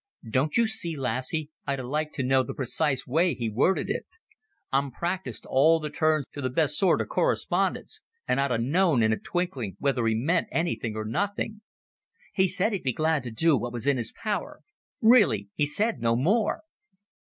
"Don't you see, lassie, I'd 'a' liked to know the precise way he worded it. I'm practised to all the turns of the best sort o' correspondence, and I'd 'a' known in a twinkling whether he meant anything or nothing." "He said he'd be glad to do what was in his power. Really he said no more."